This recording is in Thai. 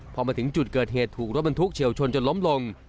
พอมาถึงจุดเกิดเหตุถูกรถบรรทุกเฉียวชนจนล้มลง